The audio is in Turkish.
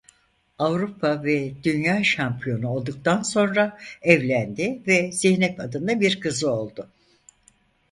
Avrupa ve Dünya şampiyonu olduktan sonra evlendi ve Zeynep adında bir kızı oldu.